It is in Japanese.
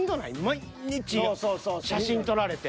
毎日写真撮られて。